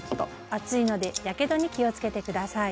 熱いのでやけどに気を付けて下さい。